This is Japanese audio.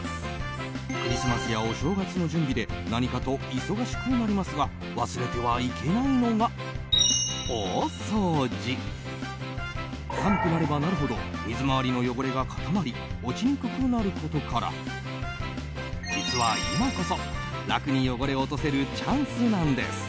クリスマスやお正月の準備で何かと忙しくなりますが忘れてはいけないのが、大掃除！寒くなればなるほど水回りの汚れが固まり落ちにくくなることから実は今こそ、楽に汚れを落とせるチャンスなんです。